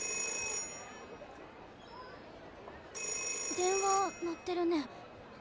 ☎☎電話鳴ってるね。